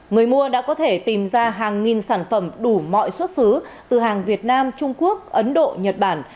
người mua đã có thể tìm ra hàng nghìn sản phẩm đủ mọi xuất xứ từ hàng việt nam trung quốc ấn độ nhật bản